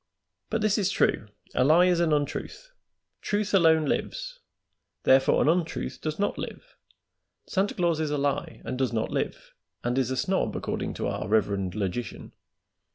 But this is true, a lie is an untruth. Truth alone lives, therefore an untruth does not live. Santa Claus is a lie and does not live, and is a snob, according to our reverend logician.